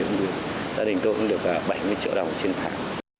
gia đình tôi cũng được bảy mươi triệu đồng trên tháng